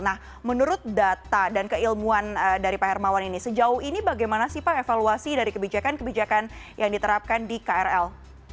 nah menurut data dan keilmuan dari pak hermawan ini sejauh ini bagaimana sih pak evaluasi dari kebijakan kebijakan yang diterapkan di krl